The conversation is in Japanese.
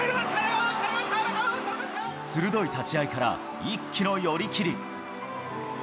鋭い立ち合いから、一気の寄り切り。